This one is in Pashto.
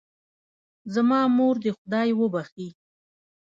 زما مور دې خدای وبښئ